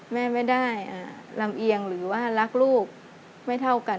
แม่ไม่ได้ลำเอียงหรือว่ารักลูกไม่เท่ากัน